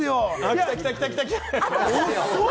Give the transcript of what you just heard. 来た来た来た来た！